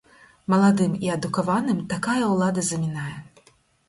Маладым і адукаваным такая ўлада замінае.